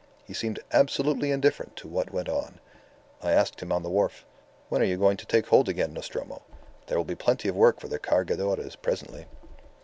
He seemed absolutely indifferent to what went on. I asked him on the wharf, 'When are you going to take hold again, Nostromo? There will be plenty of work for the Cargadores presently.